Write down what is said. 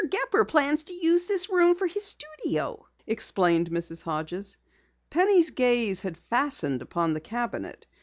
Gepper plans to use this room for his studio," explained Mrs. Hodges. Penny's gaze had fastened upon the cabinet.